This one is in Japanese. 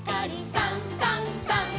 「さんさんさん」